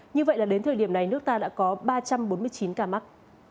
như vậy là đến thời điểm này nước ta đã có ba trăm bốn mươi chín ca mắc